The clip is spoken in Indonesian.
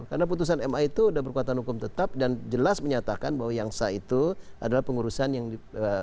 karena putusan ma itu berkuatan hukum tetap dan jelas menyatakan bahwa yang sa itu adalah pengurusan yang di